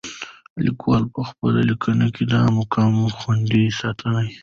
لیکوال په خپلو لیکنو کې دا مقام خوندي ساتلی.